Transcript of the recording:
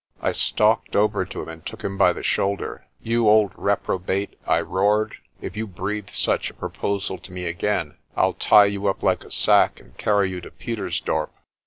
I stalked over to him, and took him by the shoulder. "You old reprobate," I roared, "if you breathe such a pro posal to me again, Pll tie you up like a sack and carry you to Pietersdorp."